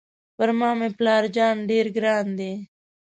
پر ما مې پلار جان ډېر ګران دی.